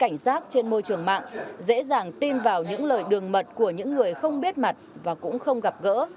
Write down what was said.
cảnh giác trên môi trường mạng dễ dàng tin vào những lời đường mật của những người không biết mặt và cũng không gặp gỡ